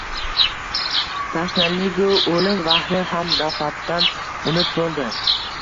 tashnalig-u o‘lim vahmi ham dafatan unut bo‘ldi.